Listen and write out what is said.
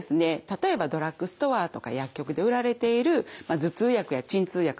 例えばドラッグストアとか薬局で売られている頭痛薬や鎮痛薬